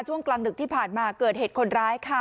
ช่วงกลางดึกที่ผ่านมาเกิดเหตุคนร้ายค่ะ